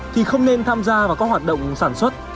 thì không nên tham gia vào các hoạt động sản xuất